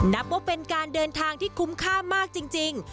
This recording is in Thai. นับว่าเป็นการเดินทางที่คุ้มค่ามากจริง